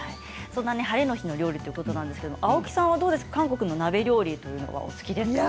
そんなハレの日の料理ということなんですが青木さんは韓国の鍋料理お好きですか。